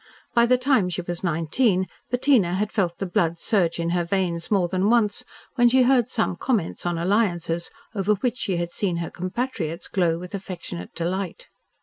By the time she was nineteen, Bettina had felt the blood surge in her veins more than once when she heard some comments on alliances over which she had seen her compatriots glow with affectionate delight.